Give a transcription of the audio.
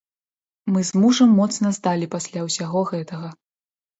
Мы з мужам моцна здалі пасля ўсяго гэтага.